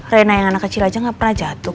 rena yang anak kecil aja gak pernah jatuh